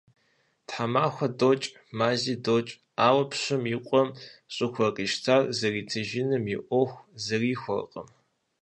Тхьэмахуэ докӀ, мази докӀ, ауэ пщым и къуэм щӀыхуэ къищтар зэритыжыным и Ӏуэху зэрихуэркъым.